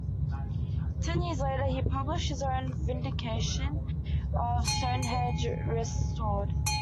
Ten years later, he published his own "Vindication of Stone-henge Restored".